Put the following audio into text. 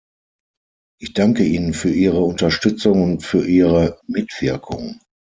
Ich danke Ihnen für Ihre Unterstützung und für Ihre Mitwirkung.